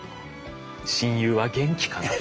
親友は元気かなと。